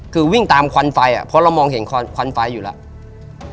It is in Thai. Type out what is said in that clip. คือวิ่งตามควันไฟอ่ะเพราะเรามองเห็นควันไฟอยู่แล้ว